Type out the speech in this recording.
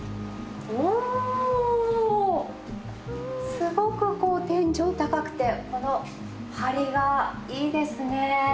すごくこう天井高くてこの梁がいいですね。